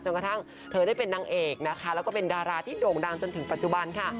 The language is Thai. กระทั่งเธอได้เป็นนางเอกนะคะแล้วก็เป็นดาราที่โด่งดังจนถึงปัจจุบันค่ะ